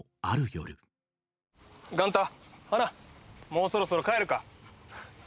もうそろそろ帰るか。